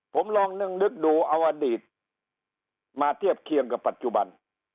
ผมลองนึกดูเอาอดีตมาเทียบเคียงกับปัจจุบัน